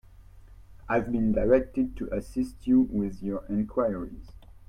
I have been directed to assist you with your enquiries.